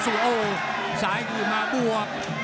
สู้โอ้สายกลีมาบวก